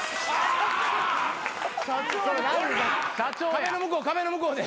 壁の向こう壁の向こうで。